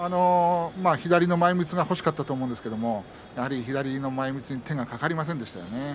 左の前みつが欲しかったと思うんですが、左の前みつに手がかかりませんでしたね。